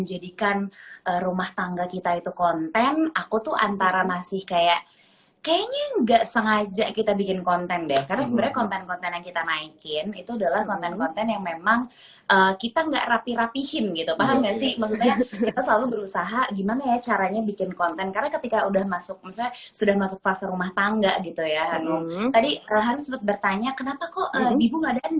assalamualaikum wr wb